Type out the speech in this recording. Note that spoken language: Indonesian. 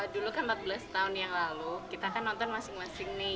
dulu kan empat belas tahun yang lalu kita kan nonton masing masing nih